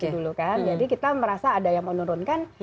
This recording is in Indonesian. jadi kita merasa ada yang menurunkan